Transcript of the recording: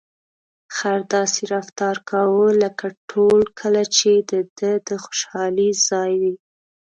خر داسې رفتار کاوه لکه ټول کلي چې د ده د خوشحالۍ ځای وي.